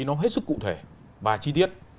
nó hết sức cụ thể và chi tiết